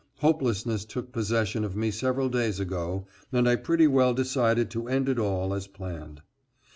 Hopelessness took possession of me several days ago, and I pretty well decided to end it all as planned.